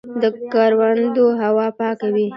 د کروندو هوا پاکه وي.